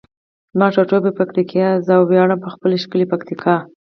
زما ټاټوبی پکتیکا ده او زه ویاړمه په خپله ښکلي پکتیکا.